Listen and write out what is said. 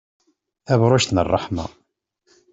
Tabṛujt n ṛṛeḥma.